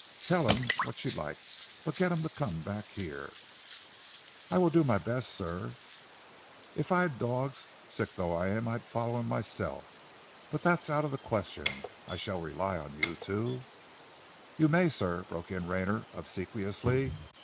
Tell him what you like, but get him to come back here." "I will do my best, sir!" "If I'd dogs, sick though I am, I'd follow him myself. But that's out of the question. I shall rely on you to " "You may, sir," broke in Rayner obsequiously.